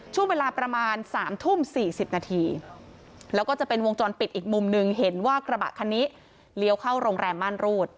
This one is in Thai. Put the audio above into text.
จะเป็นวงจรปิดอีกมุมหนึ่งเห็นว่ากระบะคันนี้เลี้ยวเข้าโรงแรมม่านรูด